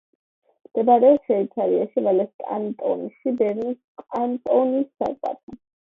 მდებარეობს შვეიცარიაში, ვალეს კანტონში, ბერნის კანტონის საზღვართან.